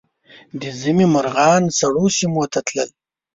د ژمي مرغان سړو سیمو ته تلل